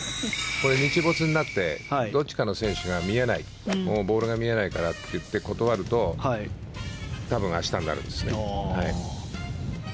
これ日没になってどっちかの選手がボールが見えないからって言って断ると多分、明日になるんですね。